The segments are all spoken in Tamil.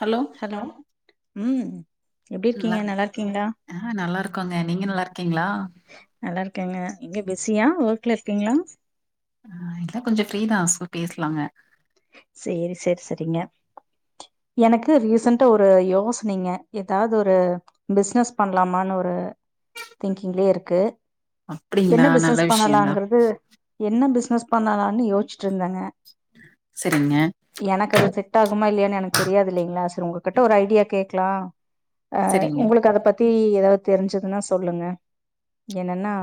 ஹலோ ஹாலோ ம் எப்டி இருக்கீங்க நல்லாருக் நல்லா இருக்கீங்களா ஆ நல்லா இருக்கோங்க நீங்க நல்லாருக்கீங்ளா நல்லா இருக்கேங்க இங்க பிஸியா ஒர்க்ல இருக்கீங்ளா ஆ இல்ல கொஞ்சோ ஃப்ரீதா ஸோ பேஸ்லாங்க சேர் சேரி சரிங்க எனக்கு ரீசன்டா ஒரு யோசனைங்க ஏதாது ஒரு பிஸ்னஸ் பண்ணலாமான்னு ஒரு திங்கிங்லே இருக்கு என்ன அப்டிங்களா நல்ல பிஸ்னஸ் விஷயந்தா பண்ணலாங்றது என்ன பிசினஸ் பண்ணலான்னு யோசிச்சிட்ருந்தங்க சரிங்க எனக்கு அது செட் ஆகுமா இல்லையான்னு எனக்கு தெரியாது இல்லைங்ளா சரி உங்ககிட்ட ஒரு ஐடியா கேக்லா அ சரிங்க உங்களுக்கு அத பத்தி ஏதாவது தெரிஞ்சுதுன்னா சொல்லுங்க என்னன்னா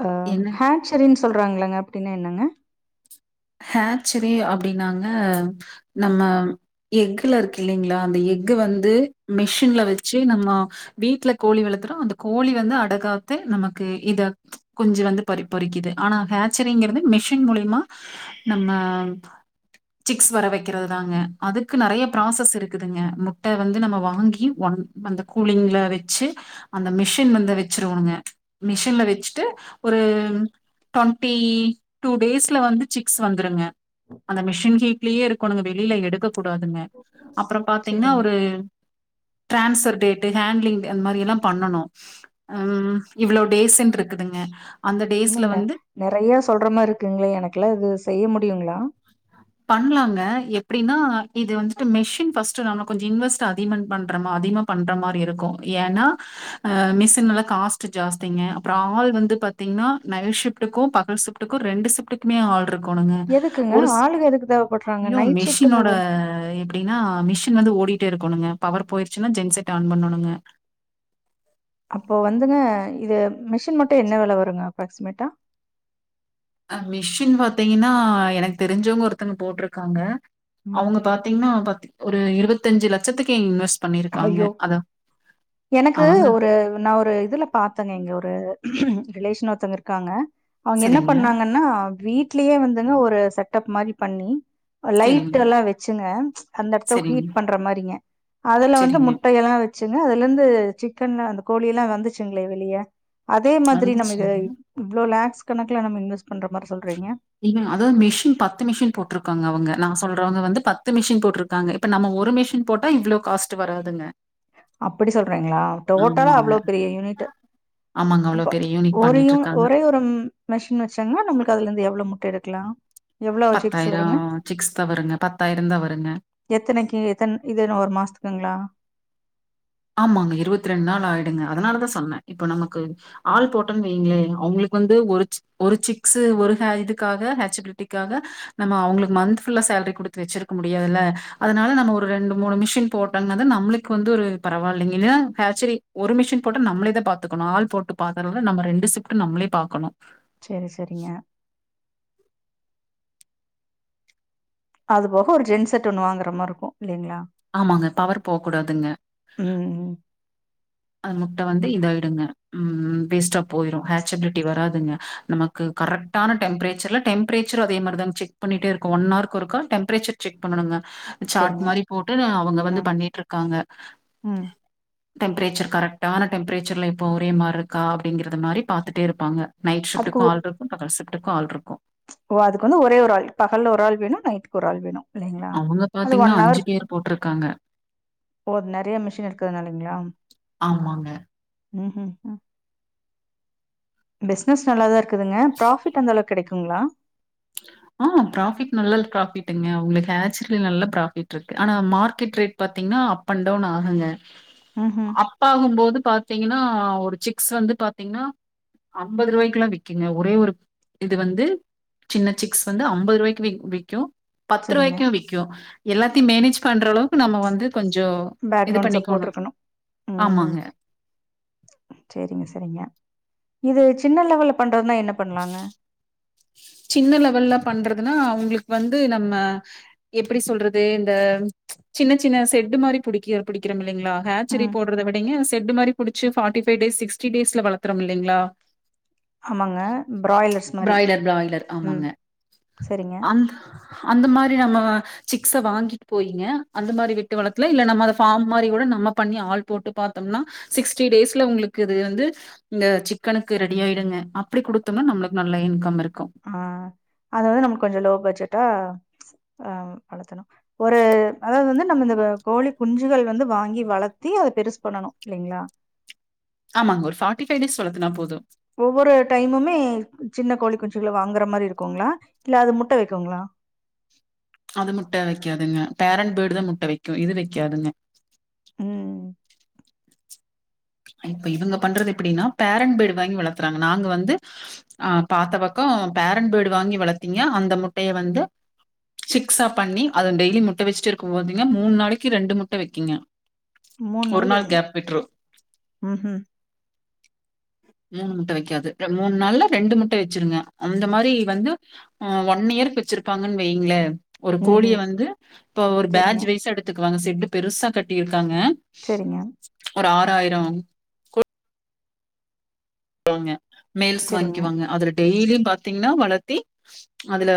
அ என்ன ஹேன்சரின்னு சொல்றாங்களாங்க அப்டின்னா என்னங்க ஹேன்சரி சரி அப்டின்னாங்க நம்ம எக்குல இருக்கு இல்லலைங்ளா அந்த எக்கு வந்து மிஷின்ல வச்சு நம்ம வீட்டுல கோழி வளர்த்துறோ அந்த கோழி வந்து அடகாத்து நமக்கு இத கொஞ்சோ வந்து பறி பொறிக்குது ஆனா ஹேச்ரிங்ந்து மிஷின் மூலிமா நம்ம சிக்ஸ் வர வக்கிறது தாங்க அதுக்கு நறைய ப்ராசஸ் இருக்குதுங்க முட்ட வந்து நம்ம வாங்கி ஒன் அந்த கூலிங்ல வெச்சு அந்த மிஷின் வந்து வெச்சிருவோங்க மிஷின்ல வெச்சுட்டு ஒரு டவெண்ட்டி டூ டேஸ்ல வந்து சிக்ஸ் வந்துருங்க அந்த மிஷின் கீட்லயே இருக்கணுங்க வெளியில எடுக்க கூடாதுங்க அப்றோ பாத்தீங்ன்னா சரிங்க ஒரு டிரான்ஸ்வர் டேட்டு ஹேண்ட்லிங் அந்த மாதிரில்லா பண்ணனு ம் இவ்ளோ டேசுன்ருதுக்குதுங்க இன்று என்ன நறைய சொல்ற மாரி இருக்குங்ளே எனக்குல இது செய்ய முடியுங்ளா பண்ணலாங்க எப்டின்னா இது வந்துட்டு மெஷின் ஃபஸ்ட்டு நம்ம கொஞ்சோ இன்வெஸ்ட் அதிமன் பண்றமா அதிக பன்ற மாரி இருக்கு ஏன்னா அ மிஷின் எல்லா காஸ்ட்டு ஜாஸ்திங்க அப்றோ ஆள் வந்து பாத்திங்ன்னா நைட் ஸிப்ட்டுக்கு பகல் ஸிப்ட் டுக்கு ரெண்டு ஸிப்ட்டுக்குமே ஆள் இருக்கணுங்க எதுக்குங்க ஒரு ஆளுக எதுக்கு தேவ படுது ஐயோ மெஷினோட எப்டி டின்னா மிஷின் வந்து ஓடிட்டே இருக்கணுங்க பவர் போயிருச்சுன்னா ஜென் செட் ஆன் பண்ணணுங்க அப்போ வந்துங்க இது மிஷின் மட்டு என்ன வெல வருங்க அப்ராக்ஸிசிமேட்டா அ மிஷின் பாத்திங்கன்னா எனக்கு தெரிஞ்சவங்க ஒருத்தங்க போட்ருக்காங்க ம் அவுங்க பாத்திங்ன்னா பாத் ஒரு இருவத்தஞ்சு லட்சத்துக்கே இன்வெஸ் ஐயோ எனக்கு அவங்க ஒரு நா ஒரு இதுல பாத்தங்க இங்க ஒரு ரிலேஷன் ஒருத்தங்க இருக்காங்க அவங்க என்ன சரிங்க, பண்ணாங்கனா வீட்லயே வந்துங்க ஒரு செட்டப் மாரி பண்ணி லைட் சரிங்க, எல்லா வச்சுங்க அந்த எடத்த சரிங்க. ஹீட் பண்ற மாரிங்க அதுல வந்து சரிங்க. முட்டயெல்லா வச்சுங்க அதுல இருந்து சிக்கன் அந்த கோழி எல்லா வந்துச்சுங்களே வெளிய அதே மாதிரி நம்ம இத வந்துச்சுங்க. இவ்ளோ லேக்ஸ் கணக்குல நம்ம இன்வெஸ்ட் பண்ற மாரி சொல்றீங்க இல்ல அதாவது மிஷின் பத்து மிஷின் போட்ருக்காங்க அவங்க நா சொல்றவங்க வந்து பத்து மிஷின் போட்ருக் காங்க இப்ப நம்ம ஒரு மிஷின் போட்டா இவ்ளோ காஸ்ட் வராதுங்க அப்டி சொல்றீங்களா டோட்டலா ஆமாங்க. அவ்ளோ பெரிய யூனிட்டு ஆமாங்க. அவ்ளோ இப்ப பெரிய யூனிட் ஒரியு பண்ணிட்டு இருக்காங்க. ஒரே ஒரு உம் மெஷின் வச்சாங்களா நமளுக்கு அதுலருந்து எவ்ளோ முட்ட எடுக்லா பத்தாயிரோ சிக்ஸ் தா வருங்க பத்தாயிரத வருங்க எத்தனைக்கு எத்தன இதுன்ன ஒரு மாஸ்த்துக்குங்களா ஆமாங்க இருவத்ரெண்டு நாள் ஆயிடுங்க அதனாலதா சொன்ன இப்ப நமக்கு ஆள் போட்டன்னு வைங்களே அவங்களுக்கு வந்து ஒரு சிக் ஒரு சிக்ஸ் ஒரு ஹ இதுக்காக ஹச்சபிலிட்டிக்காக நம்ம அவங்களுக்கு மந்த் ஃபுல்லா சேலரி குடுத்து வச்சிருக்க முடியாதுல்ல அதனால நம்ம ஒரு ரெண்டு மூணு மிஷின் போட்டங்கன்னாதா நம்ளு க்கு வந்து ஒரு பரவாயில்லங்கல்லயா ஹ சரி ஒரு மிஷின் போட்டா நம்மளே தா பாத்துக்கணு ஆள் போட்டு பாக்கறது நம்ம ரெண்டு சிப் ட் நம்ளே பாக்கணு செரி செரிங்க அது போக ஒரு ஜென்ஸ் செட் ஒண்ணு வாங்ற மாரி இருக்கு இல்லங்களா ஆமாங்க பவர் போக கூடாதுங்க ம்ம் அந்த முட்ட வந்து இதாயிடுங்க ம் வேஸ்ட்டா போயிரு ஹேச்சபிலிட்டி வராதுங்க நம க்கு கரெக்டான டெம்பரேச்சர் டெம்ப்ரேச்சர் அதே மாதிரிதா செக் பண்ணிட்டே இருக்கு ஒன் அவர்க்கு ஒருக்கா டெம்ப்ரேச்சர் செக் பண்ணணுங்க சாட் சேரிங்க மாரி போட்டு அவங்க வந்து ம் பண்ணிட்ருக்காங்க ம் டெம்ப்ரேச்சர் கரெக்டான டெம்ப்ரேச்சர்ல இப்ப ஒரே மாருக்கா அப்படிங்க மாதிரி பாத்துட்டே இருப்பாங்க நைட் அதுக்கு ஷிப்ட்க்கு ஒ ஆள்ருக் பகல் ஷிஃப்ட்க்கு ஆள்ருக்கு ஓ அதுக்கு வந்து ஒரே ஒரு ஆள் பகல ஒரு ஆள் வேணு நைட்டு்க்கு ஒரு ஆள் வேணு இல்லைங்களா அவங்க பாத்தீங்கன்னா அஞ்சு பேர் போட்ருக்காங்க ஓ நெறைய மிஷின் இருக்குதுனாலைங்களா ஆமாங்க. ம் ம் பிஸ்னஸ் நல்லாதா இருக்குதுங்க ப்ராஃபிட் அந்த அளவுக்கு கெடைக்குங்ளா ஆ ப்ராஃபிட் நல்ல ப்ராஃபிட்ங்க உங்களுக்கு ஆச்சல நல்ல ப்ராஃபிட் இருக்கு ஆனா மார்க்கெட் ரேட் பாத்தீங்கன்னா அப் அண்ட் டவுன் ஆகுங்க ம்ம் அப் ஆகு போது பாத்தீங்கன்னா ஒரு சிக்ஸ் வந்து பாத்திங்கன்னா அம்பது ரூவாய்க்குல்லா விக்குங்க ஒரே ஒரு இது வந்து சின்ன சிக்ஸ் வந்து அம்பது ரூவாய்க்கு வ விக்கு பத்து சரிங்க ரூவாய்க்கு விக் க்கு எல்லாத்தையு மேனேஜ் பண்ற அளவுக்கு நம்ம வந்து கொஞ்சோ இது பேக்ரவுண்ட் பண்ணிக்கோனு ஆமாங்க சேரிங்க செரிங்க இது சின்ன லெவல்ல பண்றதுனா என்ன பண்ணலாங்க சின்ன லெவல்லல பண்றதுன்னா அவங்ளுக்கு வந்து நம்ம எப்படி சொல்றது இந்த சின்ன சின்ன செட்டு மாரி பிடிக்க பிடிக்றோ இல்லிங்களா ஹச்சரி ம் போட்றத விடங்க செட்டு மாரி புடிச்சு பார்ட்டிஃபைவ் டேஸ் சிக்ஸ்டி டேஸ்ல வளத்ரம் இல்லைங்ளா ஆமாங்க பிராய்லர்ஸ் மாரி பிராய்லர் பிராய்லர். ம் ஆமாங்க சரிங்க அந்த அந்த மாரி நம்ம சிக்ஸ வாங்கிட்டு போயிங்க அந்த மாரி விட்டு வளத்துல இல்ல நம்ம அத ஃபார்ம் மாரி கூட நம்ம பண்ணி ஆள் போட்டு பாத்தோம்னா சிக்ஸ்டி டேஸ்ல உங்களுக்கு இது வந்து இந்த சிக்கனுக்கு ரெடி ஆயிடுங்க அப்டி குடுத்தோம்னா நம்மளுக்கு நல்ல இன்கம் இருக்கு ஆ அது வந்து நம்ம கொஞ்சோ லோ பஜ்ஜட்டா ஆ வளத்தனு ஒரு அதாவது வந்து நம்ம இந்த கோழி குஞ்சுகள் வந்து வாங்கி வளத்தி அத பெருசு பண்ணணு இல்லீங்களா ஆமாங்க ஒரு ஃபார்டிஃபைவ் டேஸ் வளத்துனா போது ஒவ்வொரு டைமுமே சின்ன கோழி குஞ்சுகளை வாங்குற மாரி இருக்குங்களா இல்ல அது முட்ட வெக்குங்களா அது முட்ட வெக்காதுங்க பேரண்டட் பேர்டு தா முட்ட வெக்கும் இது வெக்காதுங்க ம் இப்ப இவங்க பண்றது எப்பிடினா பேரண்டட் ஃபேட் வாங்கி வளத்துறாங்க நாங்க வந்து அ பாத்த பக்கோ பேரண்ட் பேடு வாங்கி வளத்தீங்க அந்த முட்டய வந்து சிக்ஸா பண்ணி அத டெய்லி முட்ட வச்சுட்டு இருக்கு போதுங்க மூணு நாளைக்கி ரெண்டு முட்ட வெக்குங்க மூண் நாளைக்கி ரெண் கேப் விட்ரு ம்ஹும் மூணு முட்ட வெக்காது மூணு நாள்ல ரெண்டு முட்ட வச்சிருங்க அந்த மாரி வந்து ஆ ஒன் இயருக்கு வெச்சிருப்பாங்கனு வெய்ங்களே ஒரு கோழிய ம்ஹ்ம். வந்து இப்ப ஒரு பேஜ் சரிங்க, வைய்சா எடுத்துக்குவாங்க செட்டு பெருசா கட்டியிருக்காங்க சேரிங்க ஒரு ஆறாயிரோ போங்க மேயல்ஸ் சரிங்க. வாங்கிக்கிவாங்க அதுல டெய்லியு பாத்தீங்கனா வளத்தி அதுல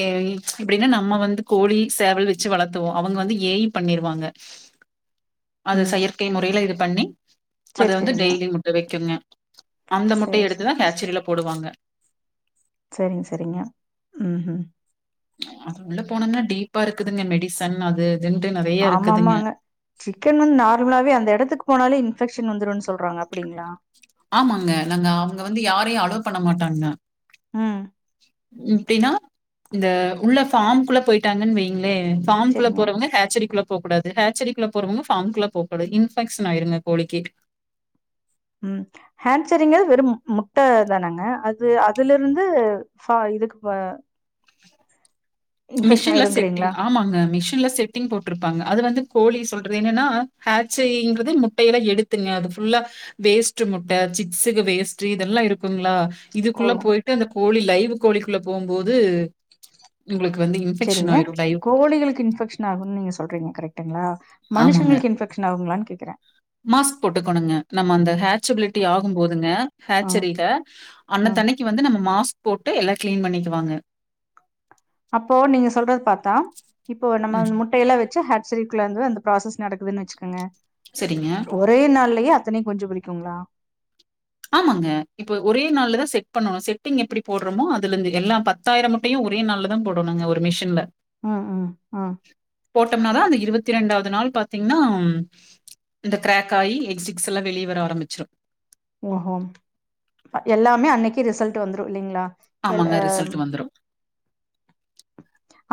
எப்டினா நம்ம வந்து கோழி சேவல் வச்சு வளத்துவோ அவங்க வந்து ஏய்ம் பண்ணிருவாங்க அது ம். செயற்கை முறையில இது பண்ணி அத சரி, வந்து சரிங்க. டெய்லி முட்ட வெக்குங்க அந்த சரி, முட்டய சரி. எடுத்துதா கேச்சரியில போடுவாங்க சரிங்க சரிங்க ம்ஹூம் அது உள்ள போனம்னா டீப்பா இருக்குதுங்க மெடிசன் அது இதுன்டுட்டு நெறைய இருக்குதுங்க. ஆமாமாங்க சிக்கன் வந்து நார்மலாவே அந்த எடத்துக்கு போனாலே இன்ஃபெக்ஷன் வந்துருன்னு சொல்றாங்க அப்பிடிங்களா ஆமாங்க நாங்க அவ்ங்க வந்து யாரையு அலே வ் பண்ண மாட்டங்க ம் இப்டின்னா இந்த உள்ள ஃபார்ம்க்குள்ள போயிட்டாங்கன்னு வய்ங்களே பாஃம்குள்ள சரிங்க. போறவங்க ஹச்சரி குள்ள போகூடாது ஹேச்சரிகுள்ள போறவங்க ஃபாம் குள்ள போ கூடாது இன்ஃபெக்ஷன் ஆயிருங்க கோழிக்கி ம் ஹேச்சரிங்றது வெறு மு முட்ட தானாங்க அது அதுல இருந்து ஃபா இதுக்கு ப மிஷின்ல செட்டிங் ஆயிரும்ங்கிறீங்களா? ஆமாங்க மிஷின்ல செட் டிங் போட்டிருப்பாங்க அது வந்து கோழி சொல்றது என்னன்னா ஹேச்சிங்கறது முட்டயெல்லா எடுத்துங்க அது ஃபுல்லா வேஸ்ட்டு முட்ட சிக்ஸுக்கு வேஸ்ட்டு இதெல்லா இருக்குங்களா இதுக்குள்ள ஓ! போயிட்டு அந்த கோழி லைவ் கோழிக்குள்ள போம்போது உங்களுக்கு வந்து இன்ஃபெக்ஷன் சேரிங்க ஆயிரும் லைவ் கோழிகளுக்கு இன்ஃபெக்ஷ ன்னாவுனு நீங்க சொல்றீங்க கரெக்டுங்களா ஆமாங்க. மனுஷங்களுக்கு இன்ஃபெக்ஷன் ஆகுங்களானு கேக்குறே மாஸ்க் போட்டுக்கனுங்க நம்ம அந்த ஹேச்சபிலிட்டி ஆகு போதுங்க ம், ஹச்சரியில ம். அன்னத்தன்னைக்கு வந்து நம்ம மாஸ்க் போட்டு எல்லா கிளீன் பண்ணிக்குவாங்க அப்போ நீங்க சொல்றது பாத்தா இப்போ நம்ம ம். முட்டையெல்லா வச்சு ஹே ச்சரிகுள்ளந்து அந்த ப்ராசஸ் நடக்குதுன்னு வச்சுக்கோங்க சேரிங்க ஒரே நாள்லயே அத்தனையு குஞ்சு பொரிக்குங்ளா ஆமாங்க இப்ப ஒரே நாள்லதா செட் பண்ணணு செட்டிங் எப்படி போடுறோமோ அதுல இருந்து எல்லா ப த்தாயிர முட்டையு ஒரே நல்லதா போடணுங்க ஒரு மிஷின்ல ம் ம், ம் போட்டோம்னாதா அந்த இருவத்தி ரெண்டாவது நாள் பாத்தீங்னா இந்த கிராக் ஆகி எக்சிக்ஸ் எல்லா வெளியே வர ஆரம்பச்சிரு ஓஹோ எல்லாமே அன்னைக்கு ரிசல்ட் வந்துரு இல்லைங்களா எல் ஆமாங்க எ ரிசல்ட் வந்துரும்.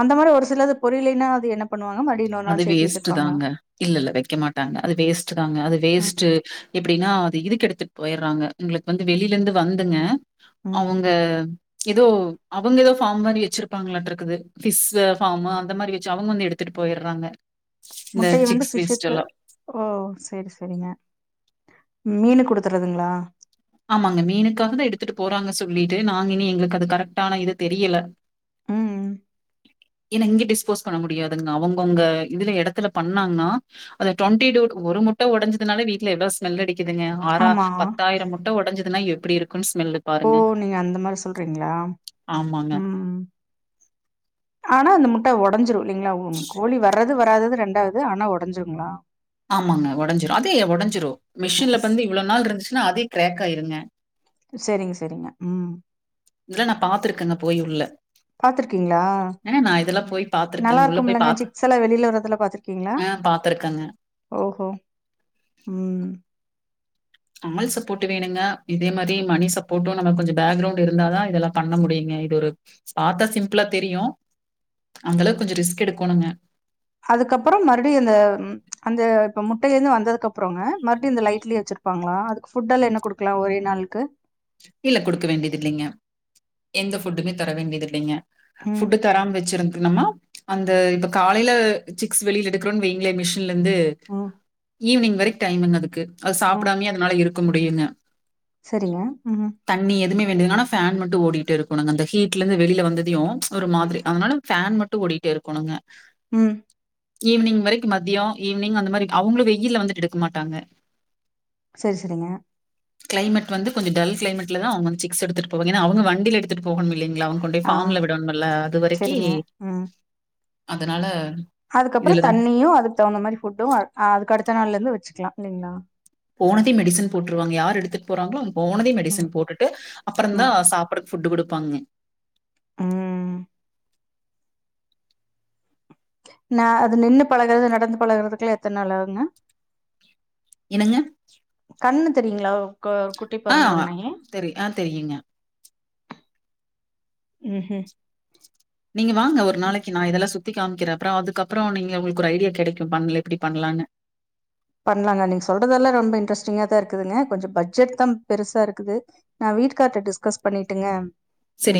அந்த மாரி ஒரு சிலது பொரியலைன்னா அது என்ன பண்ணுவாங்க மறுபடி இன்னொரு அது நாள் சேத்து வேஸ்ட்டு வச்சிருப்பாங்களா தாங்க. இல்ல இல்ல வைக்க மாட்டாங்க அது வேஸ்ட்டுதாங்க அது ம், வேஸ்ட்டு எப்டின்னா அது இதுக்கு எடுத்துட்டு போயிட்றாங்க உங்களுக்கு வந்து வெளில இருந்து வந்துங்க ம். அவங் க ஏதோ அவங்க ஏதோ ஃபார்ம் மாரி வச்சிருப்பாங்களாட்டு இருக்குது ஃபிஷ் ஃபார்ம் அந்த மாரி வச்சு அவங்க வந்து எடுத் துட்டு போயிட்றாங்க முட்டையை வந்து ஃபிஷுக்கு ஓ சேரி சேரிங்க மீனுக்கு குடுத்துட்றதுங்களா ஆமாங்க மீனுக்காகதா எடுத்துட்டு போறாங்க சொல்லிட்டு நாங்க இனி எங்களுக்கு அது கரெக்டான இது தெரியல ம், ஏன்னா இங்க டிஸ்போஸ் பண்ண முடியாதுங்க அவங்கவுங்க இதுல எடத்துல பண்ணாங்கனா அந்த டுவெண்டி டூ ஒரு முட்ட ஒடஞ்சிதுனாலே வீட்ல எவ்ளோ ஸ்மெல் அடிக்குதுங்க ஆறா ஆமா. பத்தாயிரம் முட்ட ஒடஞ்சிதுனா எப்படி இருக் ஓ நீங்க அந்த மாரி சொல்றிங்களா, ஆமாங்க, ம் ஆனா அந்த முட்ட ஒடஞ்சிடும் இல்லைங்ளா உ கோழி வர்ற து வராதது ரெண்டாவது ஆனா ஒடஞ்சுடுங்களா ஆமாங்க ஒடஞ்சிரு அதே ஒடஞ்சிரு ம். மெஷின்ல வந்து இவ்வளோ நாள் இருந்துச்சுன்னா அதே கிராக் ஆயிருங்க சேரிங்க சேரிங்க, ம் இதல்லா நா பாத்துருக்கேங்க போய் உள்ள பாத்துருக்கீங்ளா, ஏன்னா நான் இதெல்லாம் போய் நல்லா பார்த்துருக்கேங்க. உள்ள இருக்கும் போய் இல்லங்க பார்த்து சிக்ஸ் எல்லா வெளியில வர்றதெல்லா பாத்துருக் ஆ பாத்துருக்கேங்க ஓஹோ, ம் ஆள் சப்போர்ட் வேணுங்க இதே மாரி மணி சப்போர்ட்டும் நம்ம கொஞ்சோ பேக்ரவுண்ட் இருந்தாதா இதெல்லா பண்ண முடியுங்க இது ஒரு பாத்தா சிம்பிளா தெரியு அந்தளவு கொஞ்சோ ரிஸ்க் எடுக்கணுங்க அதுக்கப்பறோ மறுபடியு அந்த அந்த இப்ப முட்டைய இருந்து வந்தது அப்புறங்க மறுபடியு இந்த லைட்லயே வச்சிரு ப்பாங்களா அதுக்கு ஃபுட் எல்லா என்ன குடுக்கலா ஒரே நாளுக்கு இல்ல குடுக்க வேண்டியது இல்லைங்க எந்த ஃபுட்டுமே தர வேண்டியதுல்லைங்க ம். ஃபுட்டு தராம வச்சிருந்தம்னா அந்த இப்ப காலைல சிக்ஸ் வெளியில எடுக்கிறோன்னு வைங்களே மிஷின்ல இருந்து ம் ஈவினிங் வரைக்கு டைமுங்க அதுக்கு அது ம். சாப்பிடாமே அதனால இருக்க முடியுங்க சரிங்க ம் தண்ணி எதுவுே வேண்டியதுங்க ஆனா ஃபன் மட்டு ஓடிட்டே இருக்கனுங்க அந்த ஹீ்ட்ல இருந்து வெளில வந்ததையு ஒரு மாதிரி அதனால ஃபேன் மட்டு ஓடிட்டே இருக்கணுங்க ம் ஈவ்னிங் வரைக்கு மத்தியோ ஈவ்னிங் அந்த மாரி அவங்களு வெயில்ல வந்துட்டு எடுக்க மாட்டாங்க சரி சரிங்க கிளைமேட் வந்து கொஞ்சோ டல் கிளைமேட்ல தா அவங்க வந்து சிக்ஸ் எடுத்துட்டு போவாங்க ஏனா அவங்க வண்டில எடுத்துட்டு போகனும் இல்லைங் ளா அவங்க கொண்டு போய் ஆ. ஃபாம்ல விடணும்முல்ல அது வரைக்கி சரிங்க. அதனால அதுக்கப்பறோ இதுல தான். தண்ணியு அதுக்கு தகுந்த மாரி ஃபுட்டூ ஆ அதுக்கு அடுத்த நாள்லருந்து வச்சுக்லா இல்லைங்ளா போனதே மெடிசன் போட்ருவாங்க யார் எடுத்துட்டு போறாங்களோ அங்க போனதே ம் மெடிசன் போட்டுட்டு அப்பறந்தா ம் சாப்டற ஃபுட்டு் குடுப்பாங்க ம் நா அது நின்னு பழகுறது நடந்து பழகுறதுக்குல்லா எத்தன் நாள் ஆகுங்க என்னங்க கண்ணு தெரியுங்ளா கொ குட்டி ஆ. பெறந்தொன்னே தெரி ஆ தெரியுங்க. ம்ஹும் நீங்க வாங்க ஒரு நாளைக்கி நா இதெல்லா சுத் த்தி காமிக்கிற அப்றோ அதுக்கப்றோ நீங்க ஒங்களுக்கு ஒரு ஐடியா கெடைக்கு பண்ல எப்டி பண்லான்னு பண்லாங்க நீங்க சொல்றதெல்லா ரொம்ப இட்ரெஸ்டிங்கா தா இருக்குதுங்க கொஞ்சொ பட்ஜெட் தா பெருசா இருக்குது நா வீட்டுக்கார்ட்ட டிஸ்கஸ் பண்ணிட்டுங்க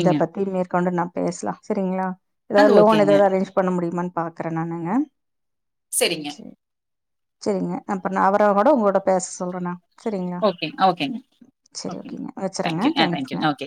இத பத்தி மேற்கொண்டு நா பேசலா சரிங்ளா அது ஏதாது லோன் ஓகேங்க. ஏதாது அரேஞ் பன்னமுடிமான் பாக்ற நானு செரிங்க செரிங்க அப்பற நா அவரோ கூட ஒங்களோட பேச சொல்ற நா சரிங்ளா ஓகே, ஓகேங்க. சரி ஓகேங்க வச்சிறங்க தேங்க்யூ. ஆ தேங்க்யூ. தங்க்ஸ்ங்க ஓகே.